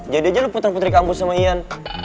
jadi aja lo putra putri kampung sama iyan